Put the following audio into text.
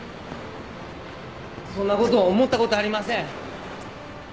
そんなこと思ったことありません。